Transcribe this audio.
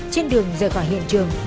trên đường rời khỏi hiện trường